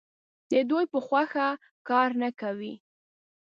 د دوی په خوښه کار نه کوي.